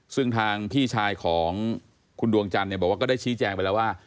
ซึ่งทางพี่ชายของคุณดวงจันทร์บอกว่าก็ได้ชี้แจงไปแล้วว่า